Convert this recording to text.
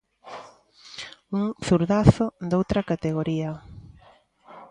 Un zurdazo doutra categoría.